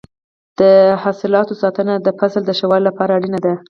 د حاصلاتو ساتنه د فصل د ښه والي لپاره اړینه ده.